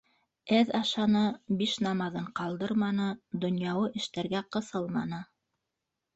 Әҙ ашаны, биш намаҙын ҡалдырманы, донъяуи эштәргә ҡыҫылманы.